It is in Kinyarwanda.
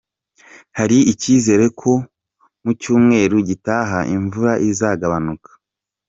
Hari icyizere ko mu cyumweru gitaha imvura izagabanuka